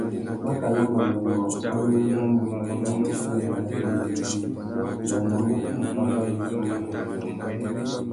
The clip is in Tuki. Mákànà manônôh amá engamú mà bangamú indi a djï indjindjï, nʼyānamú u mù bàbà nutu angüêndô mô.